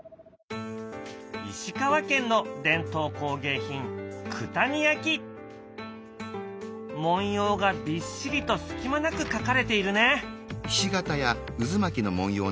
石川県の伝統工芸品文様がびっしりと隙間なく描かれているね。